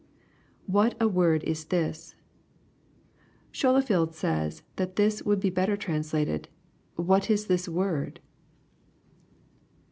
[What a word is this,] Scholefield says that this would be better translated, " What is this word?"